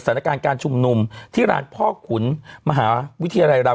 ศันนาการการชุมนุมที่รารพ่อขุนมหาวิทิยารราม